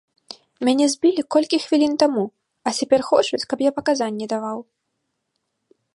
Мяне збілі колькі хвілін таму, а цяпер хочуць, каб я паказанні даваў!